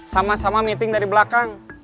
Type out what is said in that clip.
sama sama meeting dari belakang